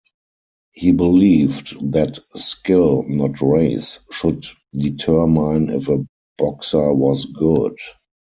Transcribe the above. He believed that skill, not race, should determine if a boxer was good.